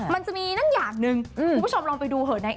มันจะมีนั่นอย่างหนึ่งคุณผู้ชมลองไปดูเหอะนะ